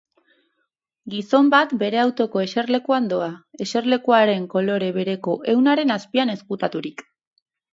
Gizon bat bere autoko eserlekuan doa, eserlekuaren kolore bereko ehunaren azpian ezkutaturik.